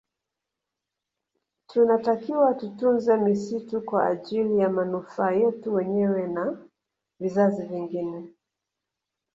Tunatakiwa tutunze misitu kwa ajili ya manufaa yetu wenyewe na vizazi vingine